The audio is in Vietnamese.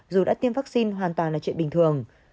dù đã tiêm vaccine hoàn toàn là chuyện bình thường